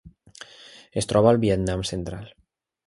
Es troba al Vietnam central.